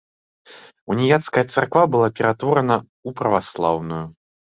Уніяцкая царква была ператворана ў праваслаўную.